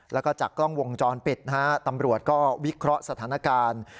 แล้วก็จากกล้องวงจรปิดนะฮะตำรวจก็วิเคราะห์สถานการณ์